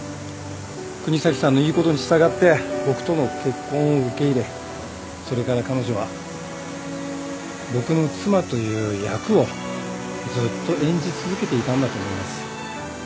國東さんの言うことに従って僕との結婚を受け入れそれから彼女は僕の妻という役をずっと演じ続けていたんだと思います。